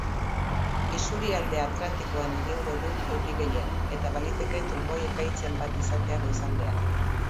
Isurialde atlantikoan egingo du euri gehien, eta baliteke trumoi-ekaitzen bat izatea goizaldean.